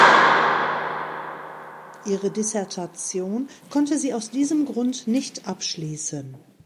Ihre Dissertation konnte sie aus diesem Grund nicht abschließen.